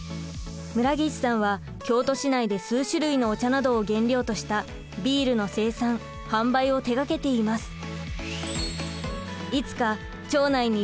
村岸さんは京都市内で数種類のお茶などを原料としたビールの生産販売を手がけています。